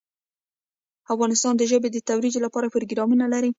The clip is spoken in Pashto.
افغانستان د ژبې د ترویج لپاره پروګرامونه لري.